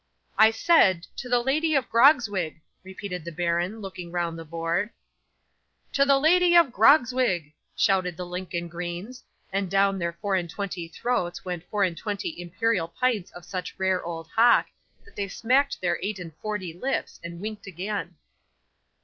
'"I said to the Lady of Grogzwig," repeated the baron, looking round the board. '"To the Lady of Grogzwig!" shouted the Lincoln greens; and down their four and twenty throats went four and twenty imperial pints of such rare old hock, that they smacked their eight and forty lips, and winked again.